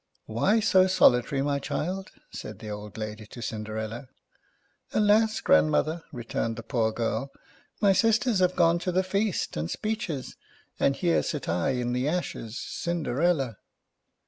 "Why so solitary, my child?" said the old lady to Cinderella. " x\las, grandmother," returned the poor girl, " my sisters have gone to the feast and speeches, and here sit I in the ashes, Cinderella!"